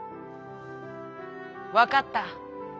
「わかった。